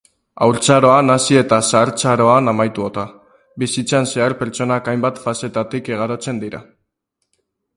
Haurtzaroan hasi eta zahartzaroan amaituta, bizitzan zehar pertsonak hainbat fasetatik igarotzen dira